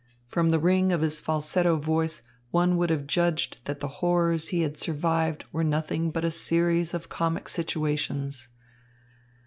From the ring of his falsetto voice one would have judged that the horrors he had survived were nothing but a series of comic situations.